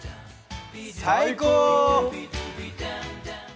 最高！